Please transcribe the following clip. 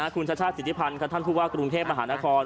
คุณชาชาศิธิพันธ์ค่ะท่านพูดว่ากรุงเทพฯอาหารศาลคลอน